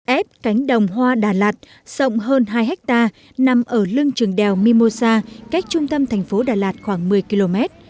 ép cánh đồng hoa đà lạt rộng hơn hai hectare nằm ở lưng trường đèo mimosa cách trung tâm thành phố đà lạt khoảng một mươi km